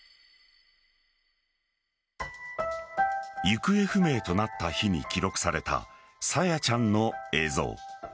行方不明となった日に記録された朝芽ちゃんの映像。